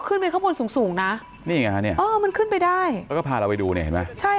ขึ้นไปข้างบนสูงนะมันขึ้นไปได้แล้วก็พาเราไปดูใช่